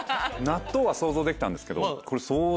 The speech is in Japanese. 納豆は想像できたんですけどこれ。